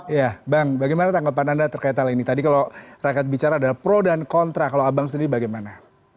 iya bang bagaimana tanggapan anda terkait hal ini tadi kalau rakyat bicara ada pro dan kontra kalau abang sendiri bagaimana